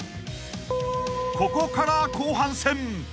［ここから後半戦］